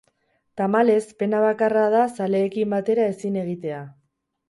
Tamalez, pena bakarra da zaleekin batera ezin egitea.